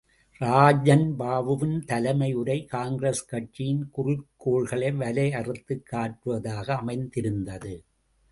ராஜன் பாபுவின் தலைமை உரை காங்கிரஸ் கட்சியின் குறிக்கோள்களை வரையறுத்துக் காட்டுவதாக அமைந்திருந்தது.